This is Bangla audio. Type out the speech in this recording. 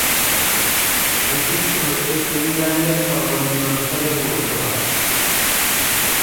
হেলসিংকি হচ্ছে ফিনল্যান্ডের সর্বনিম্ন লুথারীয় পৌরসভা।